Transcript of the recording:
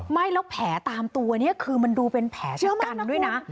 ไม่แล้วแผลตามตัวนี้คือมันดูเป็นแผลชะกันด้วยนะ